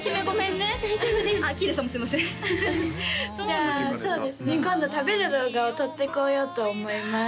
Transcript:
じゃあそうですね今度食べる動画を撮ってこようと思います